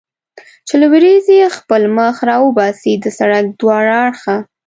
چې له ورېځې خپل مخ را وباسي، د سړک دواړه اړخه.